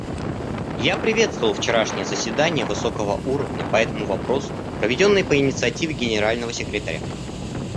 Я приветствовал вчерашнее заседание высокого уровня по этому вопросу, проведенное по инициативе Генерального секретаря.